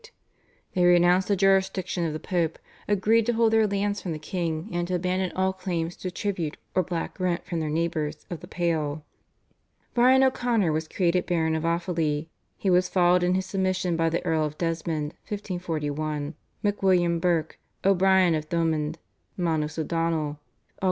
They renounced the jurisdiction of the Pope, agreed to hold their lands from the king, and to abandon all claims to tribute or black rent from their neighbours of the Pale. Brian O'Connor was created Baron of Offaly. He was followed in his submission by the Earl of Desmond (1541), MacWilliam Burke, O'Brien of Thomond, Manus O'Donnell (Aug.